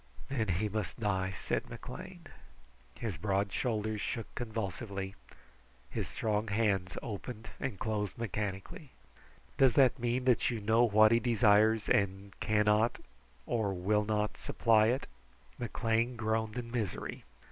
"Then he must die," said McLean. His broad shoulders shook convulsively. His strong hands opened and closed mechanically. "Does that mean that you know what he desires and cannot, or will not, supply it?" McLean groaned in misery.